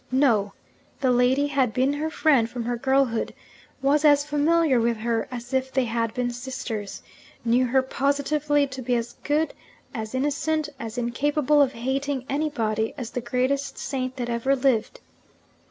No! the lady had been her friend from her girlhood, was as familiar with her as if they had been sisters knew her positively to be as good, as innocent, as incapable of hating anybody, as the greatest saint that ever lived.